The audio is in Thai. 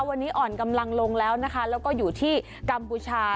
วันนี้อ่อนกำลังลงแล้วนะคะแล้วก็อยู่ที่กัมพูชา